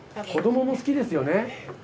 子どもも好きですよね。